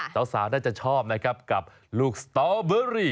สาวน่าจะชอบนะครับกับลูกสตอเบอรี่